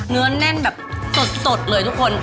เนื้อแน่นแบบสดเลยทุกคน